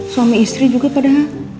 suami istri juga padahal